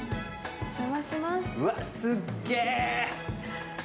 うわっ、すっげえ！